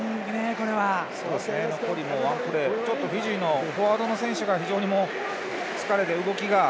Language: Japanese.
ここはワンプレーフィジーのフォワードの選手が疲れで動きが。